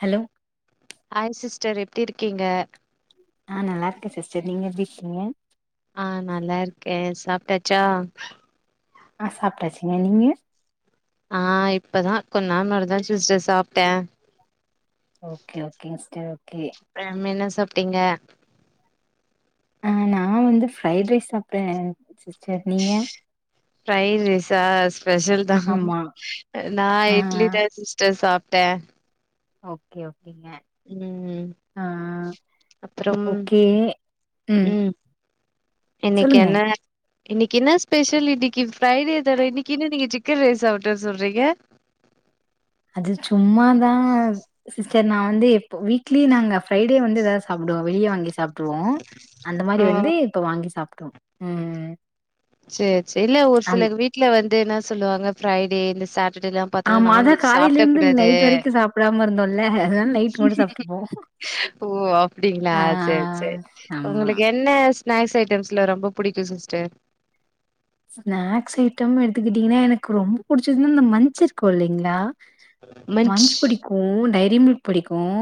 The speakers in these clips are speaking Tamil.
ஹலோ ஹாய் சிஸ் சார் எப்டி இருக்கீங்க ஆஹ் நல்லா இருக்கேன் சிஸ்டர் நீங்க எப்டி இருக்கீங்க ஆஹ் நல்லா இருக்கேன் சாப்ட்டாச்சா ஆஹ் சாப்ட்டாச்சுங்க நீங்க ஆஹ் இப்பதா கொஞ்ச நேரோ முன்னாடிதா சிஸ்டர் சாப்ட்டே ஓகே ஓகேங் சிஸ்டர் ஓகே அம் என்ன சாப்ட்டீங்க ஆஹ் நான் வந்து ஃரைட் ரைஸ் சாப்பிட்டே சிஸ்டர் நீங்க ஃப்ரைட் ரைஸ் ஆ ஸ்பெசல்தா ஆமா நா ஆ இட்லிதா சிஸ்டர் சாப்ட்டே த்த ஓகே ஓக் ம் அப்புறம் ஓகே ம் உம் இன்னைக்கு சொல்லுங்க என்ன இன்னைக்கு என்ன ஸ்பெஷல் இன்னைக்கு ஃப்ரைடே தான இன்னைக்கு என்ன நீங்க சிக்கன் ரைஸ் சாப்ட்னேனு சொல்றீங்க அது சும்மாதான் சிஸ்டர் நான் வந்து எப் ப்ப வீக்லி நாங்க ஃபிரைட் டே வந்து எதாவது சாப்பிடுவோம் வெளிய வாங்கி சாப் சாப்ட்றுவோம் அந்த ஆ மாரி வந்து இப்ப வாங்கி சாப்ட்றுவோம் உம் சேர் சேர் இல்ல ஒரு சிலர் வீட்டுல வந்து என்ன சொல்லுவாங்க ஃப்ரைடே சட் டே பாத்தீங்னா ஆமா அதா நான்வெஜ் காலைல சாப்பிட இருந்து கூடாது நைட் வரைக்கு சாப்டாம இருந்தோல்ல அதனால நைட் மட்டு சாப்ட்டுப்போ ஓ அப்டிங்ளா ஆ சேர் சேர் ஆமா உங்களுக்கு என்ன ஸ்நாக்ஸ் ஐட்டம்ஸ்லா ரொம்ப புடிக்கும் சிஸ்டர் ஸ்நாக்ஸ் ஐட்டம் எடுத்துக்கிட்டீங்கன்னா எனக்கு ரொம்ப புிடிச்சதுன்னா அந்த மஞ்ச் இருக்கும் இல்லைங்களா மன்ச் மஞ்ச் பிடிக்கும் டை ரி மில்க் பிடிக்கும்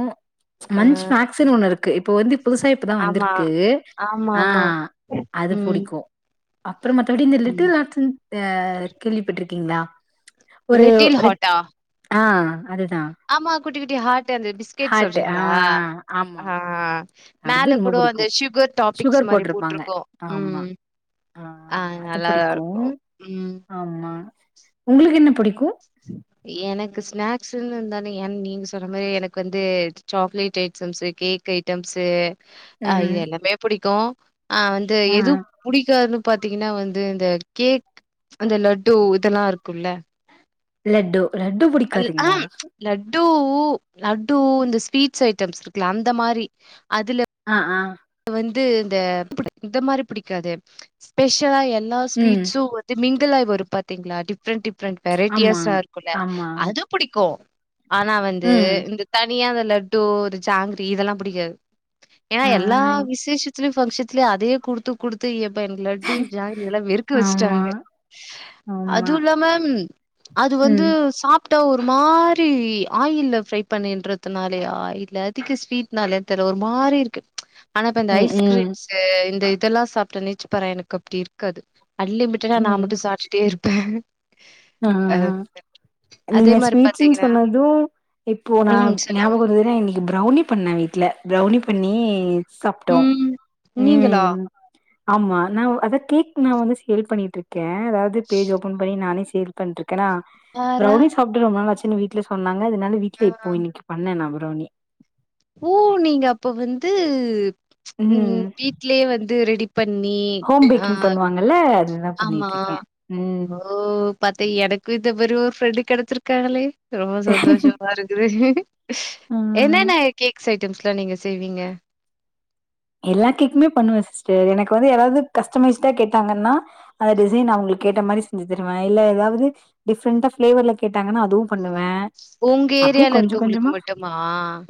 ஆ மஞ்ச் மேக்ஸ்ன்னு ஒண்ணு இருக்கு ப்போ வந் ப் புதுசா இப்பதா ஆமா வந்திருக்கு ஆமா ஆமா ஆஹ் அது ம் புடிக்கு அப்புறமா இது இந்த ம் லிட்டில் ஹார்ட்ஸுனு ஆஹ் கேள்விப்பட்ருக்கீங்களா ஒரு லிட்டில் ரெட் ஹாட்டா ஆஹ் ஆமா குட்டி குட்டி ஹார்ட் அந்த பிஸ்கட் ஹார்ட் ஆ சொல்றீங்ளா ஆமா ஆஹ் அது மேல ரொம்ப கூட அந்த புடிக்கும் சுகர் டாபிக்ஸ் சுகர் மாரி போட்டிருப்பாங்க போட்ருக்கோம் ஆமா உம் ஆ ஆஹ் நல்லாதா இருக்கும் உம் அஹ் உங்களுக்கு என்ன பிடிக்கும் எனக்கு ஸ்நாக்ஸ்ன்னு இருந்தானே ஏன் நீங் சொல்ற மாதிரி எனக்கு வந்து சாக்லேட் ஐட்டம்ஸு கேக் ஐட்டம்ஸு ஆஹ் ம் இதெல்லாமே புடி தோ ஆஹ் வந்து ஆ எது புடிக்காதுன்னு பாத்தீங்கன்னா வந்து இந்த கேக் அந்த லட்டு இதெல்லாம் இருக்கும்ல்ல ப லட்டு லட்டு புடிக்காதுங்ளா பூ லட்டு இந்த ஸ்வீட்ஸ் ஐட்டம் இருக்குல அந்த மாரி ஆஹ் ஆஹ் வந்து இந்த இந்த மாரி புடிக்காது ஸ்பெஷலா என் ல்லா ம் ஸ்வீட்ஸ் வந்துமே [unintelligible] ஒரு பாத்தீங்களா டிப் டிஃப்ரண்ட் டிஃப்ரண்ட் ஆமா வெரைட்டியஸா இருக்கும்ல ஆமா அது புடிக்கும் ஆனா வந்து ம் இந்த தன் [unintelligible] அந்த லட்டு ஒரு ஜாங்கிரி இதெல்லா புடிக்காது ஆ ஏன்னா விசேஷத்து [unintelligible] அதையே குடுத்து குடுத்து எப் ப்ப எனக்கு லட்டு ஜாங்கிரிலா வெறுக்க ஆமா வச்சுட்டாங்க ஆமா அதுவு இல்லாம அது வந்து ம் சாப்ட்டா ஒரு ஒரு மாரி ஆயில்ல ஃப்ரை பண்ணின்றதுனாலயா இல்ல அதிக ஸ்வீட்னாலே தெரில ஒரு மாரி இருக்கு ஆனா இப்ப இந்த ம் ம் ஐஸ்கிரீம்ஸ்சு இந்த தெல்லா சாப்ட்ட [unintelligible] எனக்கு அப்டி இருக்காது அன்லிமிட்டடா நாம ம் மட்டு சாப்டுட்டே இரு ஆஹ ஆ அதே நீங்க மாரி ஸ்வீட்ஸ்ன்னு பாத்தீங்கன்னா சொன்னது இப்போ நான் ம் சொல்லுங்க. ஞாபகம் வருதுனா எங்ள் பிரௌனி பண்ண வீட்ல பிரௌனி பண்ணி சாப்ட்டோ ம். நீங்களா? உம் ஆமா நான் அத கேக் நான் வந்து சேல் பண்ணிட்டு இருக்கே க்கே அதாவது பேஜ் ஓபன் பண்ணி நானே [unintelligible] சேல் பன்றுக் கேனா பாரா! ப்ரௌனி சாப்ட்டு ரொம்ப நாளாச்சி ன்னு வீட்ல சொன்னா [inaudible] ஆ. வீட்டுல இப்போ இன்னைக்கு பண்ணே [inaudible] பிரவுனி ஓ நீங்க அப்ப வந்து உம் ம் வீட்லே வந்து து ரெடி பண்ணி ஹோம் ஆ பேக்கிங் பண்ணுவாங்கல்ல அதுதா ஆமா பண்ணிட்ருக்கே ம் ஓ பாத்த எனக்கு இந்தமாறி ஒரு ஃப்ரெண்டு கெடச்சிருக்காங்களே ரொம்ப சந்தோஷமா இருக்குது ம் என்னென்ன ஸ் ஐட்டம்ஸ்லா நீங்க செய்வீங்க எல்லா கேக்குமே பண்ணுவேன் சிஸ்டர் எனக்கு வந்து ஏதாவது கஸ்டமைஸ்டா கேட்டாங்கன்னா அந்த டிசைன் அவங்களுக்கு கேட்ட மாரி செஞ்சு தருவேன் இல்ல ஏதாவது டிஃப்ரெண்டா பிளேவர்ல கேட் ட்டாங்கன்னா அதுவு பண்ணுவே உங்க அப்டியே ஏரியால கொஞ்ச இருக்கவங்களுக்கு -கொஞ்சமா மட்டுமா?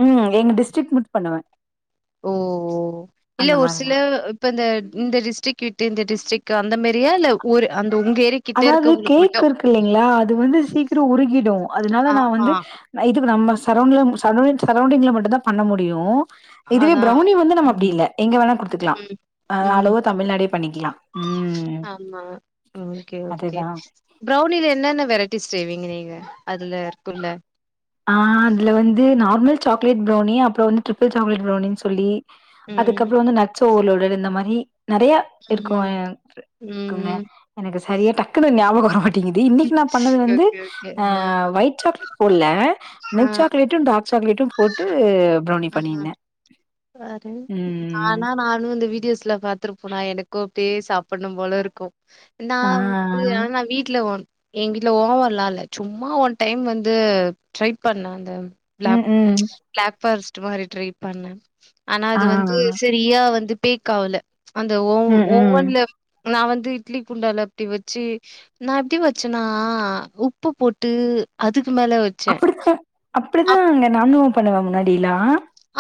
உம் எங்க டிஸ் [unintelligible] பண்ணுவ ஓ ஓ இல்ல ஒரு சில இப்ப அந்த இந்த டிஸ்ட்ரிக் விட்டு இந்த டிஸ்ட்ரிக் அந்த மாரியா இல்ல ஒரு அந் அதாவது கேக் இருக்கு இல்லைங்களா அது வந்து சீக்கிரோ உருகிடும் அதனால நா ஆமா. வந்து இதுக்கு நம்ம சரவுண்ட்ல [unintelligible] சரௌண்டிங்ல மட்டும்தா பண்ண முடியு இதுவே அதான். பிரௌனி வந்து நம்ம அப்டி ம். இல்ல எங்க வேணா குடுத்துக்கலாம் ம். ஹா ம். அளோவர் தமிழ்நாடே பண்ணிக்கலாம் உம் ஆமா. ஓகே ஓகே பிரௌனில என்னென்ன வெரைட்டிஸ் செய்வீங்க நீங்க அதுல இருக்குல்ல மில்க் சாக்லேட் பிரௌனி அப்றோ வந்து ட்ரிபிள் சாக்லேட் பிரௌனினு சொல்லி ம் அதுக்கப்புறோ வந்து நட்ஸ் ஒவர்லோடு இந்த மாரி நெறைய இருக்கும் ம் இருக்குங்க ம் எனக்கு சரியா டக்குனு ஞாபகோ வரமாட்டுது இது இன்னைக்கு நா பண்ணது ஓகே வந்து ஓகே ஓகே ஆ அ ஒயிட் சாக்லேட் போட்ல ஆ மில்க் சாக்லேட்டும் டார் சாக்லேட்டும் போட்டு ஆ ஹா யாரு ம் நானா நானு இந்த வீடியோஸ்ல பாத்துருப்பனா எனக்கு கோப்படியே சாப்பிம் போல இருக்கும் ஆ நான் வந்து ஆனா வீட்டுல ஒன் எங்க வீட்ல ஓவன்லா இல்ல சும்மா ஒன் டைம் வந்து ட்ரை பண்ணே அந்த உம் உம் பர்ஸ் சும்மா ஒரு ட்ரை பண்ணே ஆனா ஆ அது வந்து சரியா வந்து [unintelligible] ஆவுல அந்த ஓ ம் ம் ஓவன்ல நான் வந்து இட்லி குண்டால இப்டி வச்சு நான் எப்டி வச்சேன்னா உப்பு போட்டு அதுக்கு மேல வச்சேன். அப்டிதா அப் அப்டிதாங்க நானும் பண்ணுவா முன்னாடிலா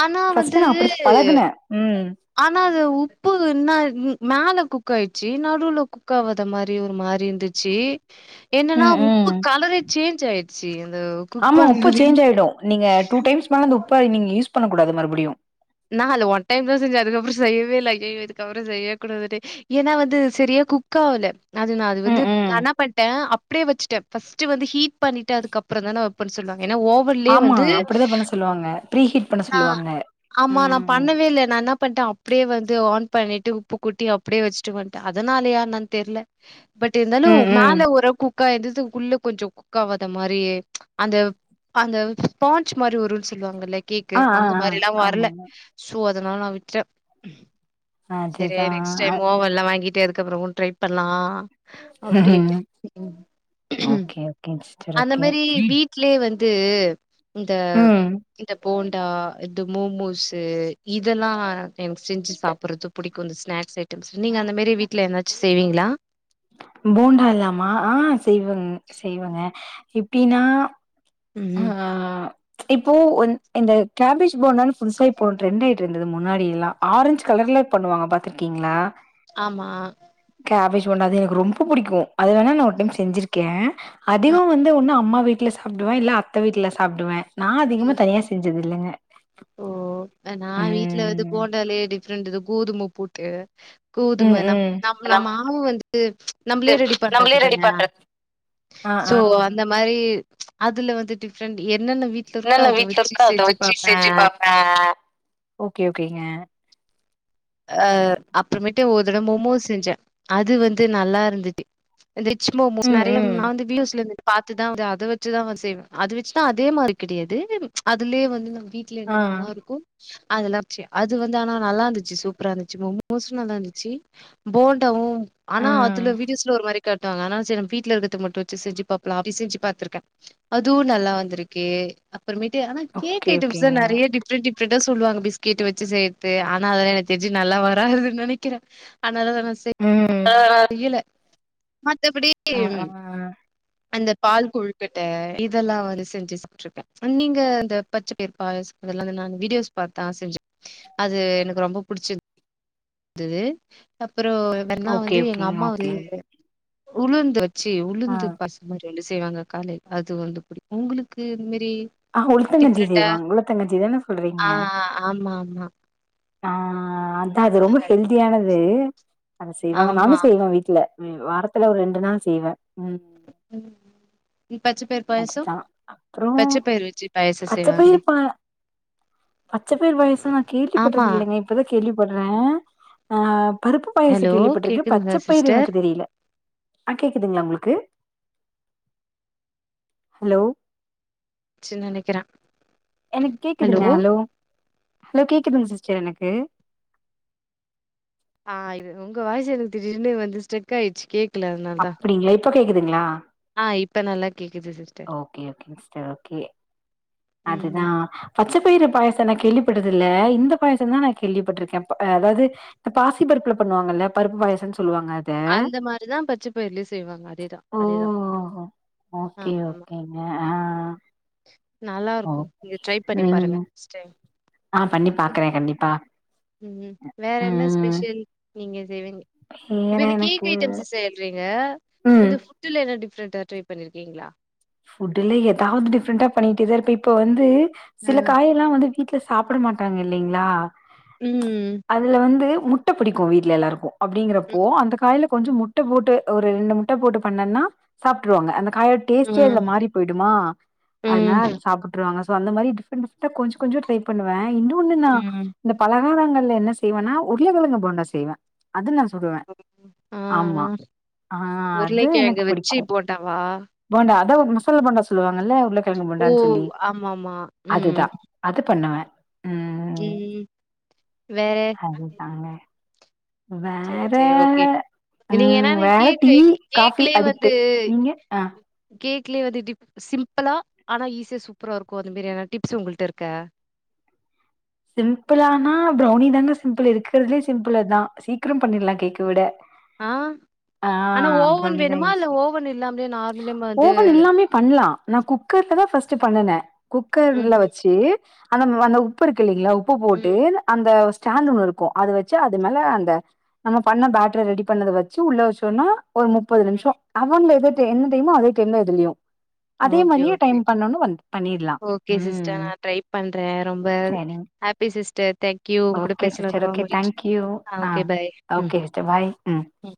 ஆனா ஃபர்ஸ்ட் வந்து நா அப்டித்தா பழகுனே ம் ஆனா அது உப்பு என்ன மேல குக் ஆயிடுச்சு நடுல குக் ஆவாத மாரி ஒரு மாரி இருந்துச்சு என்னன்னா ம் ம் உப்பு கலரே சேஞ்ச் ஆயி சீயின் ஆமா உப்பு சேஞ்ச் ஆயிடு நீங்க டூ டைம்ஸ் மேல அந்த உப்ப நீங்க யூஸ் பண்ணக்கூடாது மறுபடியும் நா அதுல ஒன் டைம் தான் செஞ்சே அதுக்கப்புறோ செய்யவே இல்ல ஐய்யயோ இதுக்கப்புறோ செய்ய கூடாதுடி ஏன்னா வந்து சரியா குக் ஆகல அது நா அது வந்து ம் ம் நா என்னா பண்ட்டே அப்படியே வச்சுட்டே பஸ்ட் வந்து ஹீ்ட் பண்ணிட்டு அதுக்கப்பறம்தா நா [unintelligible] சொல்வா ஆமா அப்படிதா பண்ண சொல்லுவாங்க ப்ரீஹீட் பண்ண நான் சொல்லுவாங்க ஆமா நான் ம் பண்ணவே இல்ல நான் என்ன பன்ட்டேன் அப்டியே வந்து ஆன் பண்ணிட்டு உப்பு கூட்டி அப்டியே வச்சுட்டு வந்ட்டேன் அதனாலயா என்னாணு தெர்ல பட் இருந்தாலு ம் ம் மேல ஒரு கு க்கா எதுதுக்கு உள்ள கொஞ்சோ குக் ஆவாத மாரி அந்த அந்த ஸ்பான்ஜ் மாரி வருன்னு சொல்வாங்கல்ல கேக்கு ஆ ஆ அந்த ஆ மாரி எல்லாம் [unintelligible] அல்ல ஆமா சோ அத் அதனால நான் விட்டே சரி அதுதா நெக்ஸ்ட் அ டைம் ஓவன்ல்லாம் வாங்கிட்டு ஏ அதுக்கப்றமும் ட்ரை பண்லாம் அப்டி ம் ம் ஓகே ஓகே சிஸ்டர் அந்த ஓகே மாரி வீட்லயே வந் ஃத்து இந்த ம் இந்த ஃபோன் டா எது மோமோஸ்சு இதெல்லா எனக்கு செஞ்சு சாப்படுறது பிடிக்கும் இந்த ஸ்நாக்ஸ் ஐட்டம்ஸ் நீங்க அந்த மாரி வீட்ல ஏதாச்சு செய்வீங்களா போண்டா இல்லாமா ஆஹ் செய்வங் செய்வங்க எப்டினா ஆ ம் ஆ ஆ இப்போ இந்த கேபேஜ் போனாலு புதுசா இப்போ டிரெண்டாயிட்டுருந் அது முன்னாடியெல்லா ஆரஞ்ச் கலர்ல பன்ணுவாங்க பாத் த்துருக்கீங்ளா ஆமா [unintelligible] அது எனக்கு ரொம்ப புடிக்கும் அது வேணா நான் ஒரு டைம் செஞ்சிருக்கேன் அ அதிகம் வந்து ஒன்னும் அம்மா வீட் வீட்ல சாப்படுவே இல்ல அத் அத்த வீட்டுல சாப்பிடுவேன் நான் அதிகமா தனியா செஞ்சது இல்லங்க ஓ அ நான் வீட்ல வந்து ம் போண்டாலே டிஃப்ரெண்ட் இது கோதும போட் தே ம் கோதுமை நம் ம் நம் நம்ம நமக்கு மாவு வந்துட்டு நம்பளே ரெடி பண்றது நம்மளே ரெடி தான பண்றது ஆ சோ ஆ அந்த மாரி அதுல வந்து டிஃப்ரெண்ட் எ என்னென்ன வீட்ல இருக்கோ அத வச்சு செஞ்சு பாப் [unintelligible] பாப்ப ஓகே ஓகேங்க அஹ் அப்புறமேட்டு ஒரு தட மொமோஸ் செஞ்சே அது வந்து நல்லா இருந்துது [unintelligible] ம் நெறைய ம் நான் வந்து வியூஸ்ல இருந்து பாத்துதா அத வச்சுதா வந்து செய்வே அது வச்சுதா அதே மாரி கெடையாது அதுலயே வந்து நம் வீட்ல ஆ என்னென்னல்லா இருக்கோ அதெல்லா [unintelligible] அது வந்து ஆனா நல்லா இருந்துச்சு சு அப்றோ நெஜமா மோசமாதா இருந்துச்சு போண்டாவு ஆனா ஆ அதுல வீடியோஸ்ல ஒரு மாரி காட்டுவாங்க ஆனா செரி நம்ம வீட்ல இருக்கறத மட்டு வச்சு செஞ்சு பாக்லா அப்டி செஞ்சு பாத்திருக்கே அதுவு நல்லா வந்திருக்கு [unintelligible] ஆனா கேக் ஓகே ஐட்டம்ஸ்தா ஓகேங்க நெறைய டிஃப்ரெட் டிஃப்ரண்ட் [unintelligible] சொல்வாங்க பிஸ்கெட் வச்சு செய்றத்து ஆனா அதெல்லா எனக் [unintelligible] நல்லா வராதுன்னு நெனைக்கிறே நல்ல [unintelligible] ஆஹ் ஆஹ் மத்தபடி அந்த பால் கொழுக்கட்ட இதெல்லா வந்து செஞ்சிட்டுருக்கே நீங்க இந்த பச்ச பயிறு பாயாசோ அதெல்லா நான் வீடியோஸ் பாத்துதா செஞ்சே அது எனக்கு ரொம்ப புடிச்சிருந்துது அப்புறோ என்னா ஓகே வந் எங்க ஓகேங்க அம்மா ஒரு ஓகே உளுந்து சி ஆ உளுந்து பச [inaudible] செய்வாங்க காலை அது வந்து புடிக்கு உங்களுக்கு இதுமாரி ஆஹ் உளுத்தங்கஞ்சி செய்வாங்க உளுத்தங்கஞ்சி தான சொல்றீங்க ஆ ஆமா ஆமா ஆஹ் அ தா அது ரொம்ப ஹெல்தியானது அத செய்வாங்க நானு ஆமா செய்வேன் வீட்ல ம் வாரத்துல ஒரு ரெண்டு நாள் செய்வ [inaudible] பச்ச பயிறு அதுதா அப்றோ பாயசம் பச்சப் பயிறு செய்வாங்களே பா பச்சப் பயிறு பாயாசோ நா ஆமா கேள்விப்பட்டது இல்லைங்க இப்பதா கே கேள்விப்பட்றே ஆஹ் பருப்பு பாயாசோ ஹலோ கேள்விப்பட்ருக்கே கேக்குதுங்களா பச்சப் பயிறு சிஸ்டர் எனக்கு தெரியல எதுங்களா உங்களுக்கு ஹலோ ச்ன்னு நெனைக்கிறே எனக்கு கேக்குதுங்க ஹலோ ஹலோ கேக்குதுங்க சிஸ்டர் எனக்கு ஆஹ் உங்க வாய்சு எனக்கு திடீர்னு வந்து ஸ்டெக் ஆயிடுச்சு கே அப்டிங்களே [unintelligible] துங்களா ஆஹ் இப்ப நல்லா கேக்குது சிஸ்டர் ஓகே ஓகேங்க சிஸ்டர் ஓகே ம் அதுதான் அப் பச்சப்பயிறு பாயாசோ நா கேள்விப்பட்டது இல்ல இந்த பாயாசோந்தா நா கேள்விப்பட்டிருக்கே அ அதாவது இந்த பாசிப் பருப்புல பண்ணுவாங்கல்ல பருப்பு பாயாசோன்னு சொல்லி சொல்லுவாங்க அத அந்த மாரிதா பச்ச பயிர்லயு செய்வாங்க அதேதா அதேதா ஓஓஓகே ஆமாமா ஓகேங்க ஹஹா நல்லா இருக்கும் நீங்க ட்ரை பண்ணி பாருங்க நெக்ஸ்ட் டைம் ஆஹ் பண்ணி பாக்குறேன் கண்டிப்பா உம் வேற என்ன ம் ஸ்பெஷல் நீங்க செய்வங்க இப்ப வேற இந்த எனக்கு கேக் ஐட்டம்ஸ் சல்றீங்க ம் இந்த புட்ல என்னடி டிஃப்ரென்ட்டா ட்ரை பண்ணிருக்கீங்களா ஃபுட்டுல ஏதாவது டிப்ரெண்டா பண்ணிட்டுதா இருப்ப இப்ப வந்து ஆ சில காய எல்லாம் வந்து வித் வீட்டு்ல சாப்புட மாட்டாங்க இல்லிங்ளா ம் அதுல வந்து முட்டை புடிக்கு வீட்ல எல்லாருக்கும் அப்டிங்றப்போ அந்த கால்ல கொஞ்சம் முட்டை போட்டு ஒரு ரெண்டு முட்டை போட்டு பண்ணேன்னா சாப்டுறுவாங்க அந்த காய கே சச்சல ம், மாறி போயிடுமா அதனால ம், அத சாப்புட்டுருவாங்க ஸ்ஓ அந்தமாதிரி டிப்ரண்டா கொஞ்ச கொஞ்ச ட்ரைபண்ணுவே என்ன ஒண்ணுனா ம். இந்த பலகாரங்கள்ல என்ன செய்வேன்னா உருள கிழங்கு போண்டா செய்வேன் அதுலா ஆ ஆ ஆ அது உருளைக்கிழங்க வச்சு போண்டாவா அதான் முசல்லா போண்டா சொல்லுவங் ல உருளக்கிழங்கு ஓ! போண்டான்னு சொல்லி ஆமாமா. அதுதான் அது பண்ணுவே உம் வேற அதுதாங்க. சரி, வேற சரி. ஓகே. நீங்க ம் என்னன்னா வேற டீ கேக்கு காஃபி அடிக்ட்டு நீங்க ஆ கேக்லயே வந்துடிப் சிம்பிளா ஆனா ஈஸியா சூப்பரா இருக்கும் அந்த மாரியான டிப்ஸ் உங்கள்ட்ட இருக்கா சிம்பிளானா ப்ரௌவுனி தாங்க சிம்பிள் இருக்கறிறதுலே சிம்பிள தான் சீக்கிரம் பண்ணிடலா கேக்க விட ஆ, ஆனா ஆஹ் ஓவன் ப்ரௌனிதா வேணுமா? இல்ல ஈசி ஓவன் இல்லாமலே நார்மலே வந்து ஓவன் இல்லாமயே பண்லா நான் குக்கர்லதா ஃபர்ஸ்ட் பண்ணுன குக்கர்ல ம், வச்சு அந்த அந்த உப்பு இருக் க்கில்லைங்களா உப் உப்பு போட்டு ம். அந்த ஸ்டாண்ட் ஒண்ணு இருக்கு அது வச்சு அது மேல அந்த நம்ம பண்ண பேட்டரி ரெடி பண்ணத வச்சு உள்ள வச்சோனா ஒரு முப்பது நிமிஹோ அவன் எத என்ன டைமோ அதே டைம்ந்த இதுலயும் ஓகே -ஓகே- பண்ணிடலா ஓகே சிஸ்டர் ம் நா ட்ரை பண்ற ரொம்ப அ சரிங்க ஹாப்பி சிஸ்டர் தேங்க்யூ உங்க கூட ஓகே பேசுனது சிஸ்டர் ரொம்ப ஓகே மகிழ்ச்சி தேங்க்யூ ஆ ஓகே பாய் ம் ஓகே சிஸ்டர் பாய் ம்